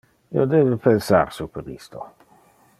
Io debe pensar super isto.